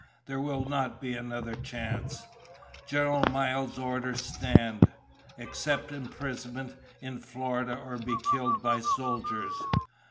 There will not be another chance. General Miles' orders stand. Accept imprisonment in Florida or be killed by soldiers."